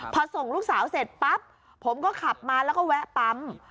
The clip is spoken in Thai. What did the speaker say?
พอส่งลูกสาวเสร็จปั๊บผมก็ขับมาแล้วก็แวะปั๊ม